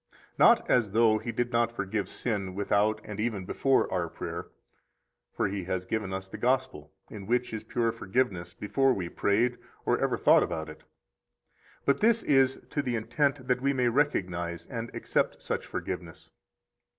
Not as though He did not forgive sin without and even before our prayer (for He has given us the Gospel, in which is pure forgiveness before we prayed or ever thought about it). But this is to the intent that we may recognize and accept such forgiveness.